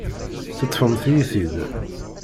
Teṭṭfemt-iyi-t-id.